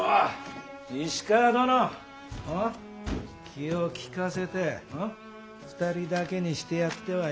気を利かせて２人だけにしてやってはいかがか。